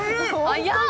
早っ！